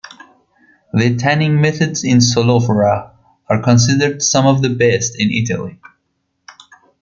The tanning methods in Solofra are considered some of the best in Italy.